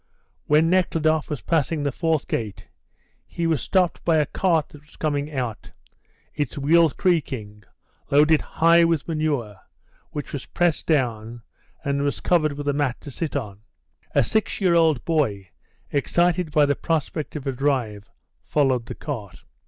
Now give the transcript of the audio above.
When Nekhludoff was passing the fourth gate, he was stopped by a cart that was coming out, its wheels creaking, loaded high with manure, which was pressed down, and was covered with a mat to sit on. A six year old boy, excited by the prospect of a drive, followed the cart.